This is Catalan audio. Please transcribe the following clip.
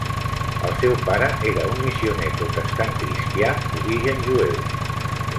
El seu pare era un missioner protestant cristià, d'origen jueu.